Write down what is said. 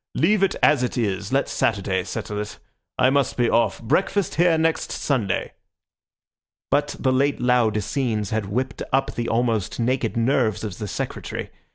"Leave it as it is. Let Saturday settle it. I must be off. Breakfast here next Sunday." But the late loud scenes had whipped up the almost naked nerves of the Secretary.